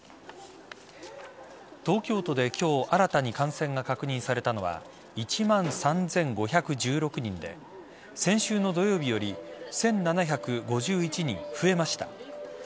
東京都で今日新たに感染が確認されたのは１万３５１６人で先週の土曜日より１７５１人増えました。